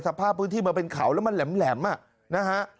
สภาพพื้นที่มันเป็นเขาแล้วมันแหลมนะฮะ